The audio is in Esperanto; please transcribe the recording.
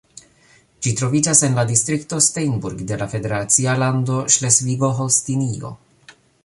Ĝi troviĝas en la distrikto Steinburg de la federacia lando Ŝlesvigo-Holstinio.